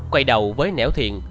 quay đầu với nẻo thiện